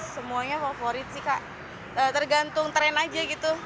semuanya favorit sih kak tergantung tren aja gitu